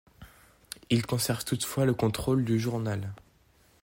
Il conserve toutefois le contrôle du journal.